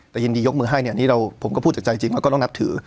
แต่ยินดียกมือให้เนี่ยนี่ผมก็พูดจากใจจริงแล้วก็ต้องนับถือ